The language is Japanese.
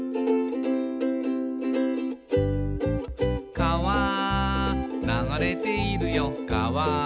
「かわ流れているよかわ」